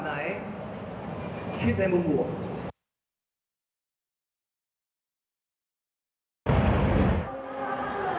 คิดในมุมบวก